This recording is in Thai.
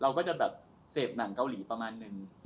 เราก็จะแบบเสพหนังเกาหลีประมาณนึง